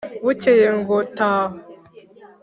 Bukeye ngo taha